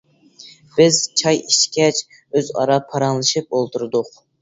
بىز چاي ئىچكەچ ئۆزئارا پاراڭلىشىپ ئولتۇردۇق.